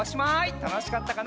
たのしかったかな？